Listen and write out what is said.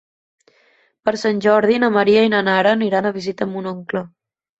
Per Sant Jordi na Maria i na Nara aniran a visitar mon oncle.